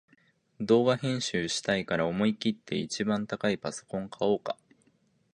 動画編集したいから思いきって一番高いパソコン買おうか